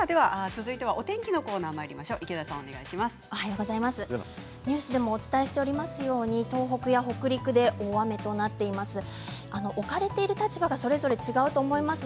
続いてはお天気のコーナーニュースでもお伝えしておりますように東北や北陸で大雨となっています。